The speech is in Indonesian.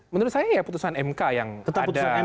menurut saya ya putusan mk yang ada seperti sekarang